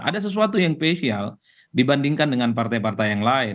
ada sesuatu yang spesial dibandingkan dengan partai partai yang lain